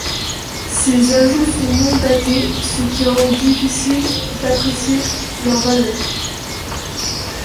Ces ajouts sont non datés, ce qui rend difficile d'apprécier leur valeur.